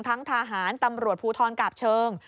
ทั้งทหารตำรวจภูทรกาบเชิง